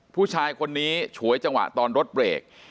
ผู้ชายคนนี้ชวยตอนรถเบรก